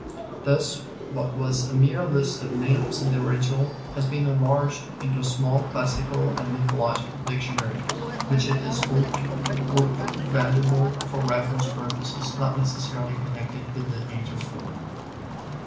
Thus what was a mere list of names in the original has been enlarged into a small classical and mythological dictionary, which it is hoped will prove valuable for reference purposes not necessarily connected with "The Age of Fable."